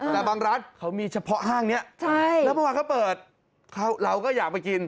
แต่บางร้านเขามีเฉพาะห้างนี้แล้วเมื่อวานเขาเปิดเราก็อยากไปกิน